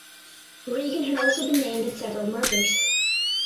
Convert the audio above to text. Regan had also been named in several murders.